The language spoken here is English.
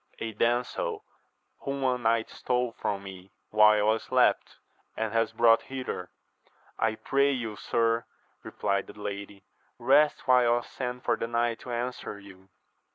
— ^A damsel, whom a knight stole from me while I slept, and has brought hither. I pray you, sir, replied the lady, rest while I send for the knight to answer you.